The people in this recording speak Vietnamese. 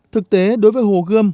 thực tế đối với hồ gươm